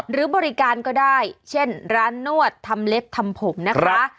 หรือบริการก็ได้เช่นร้านนวดทำเล็บทำผมนะคะ